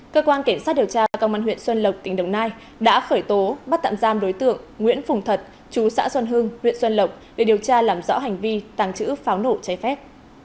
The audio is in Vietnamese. cơ quan cảnh sát điều tra công an huyện xuân lộc tỉnh đồng nai đã khởi tố bắt tạm giam đối tượng nguyễn phùng thật chú xã xuân hưng huyện xuân lộc để điều tra làm rõ hành vi tàng trữ pháo nổ cháy phép